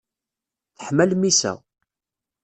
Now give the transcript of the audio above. Teḥma lmissa.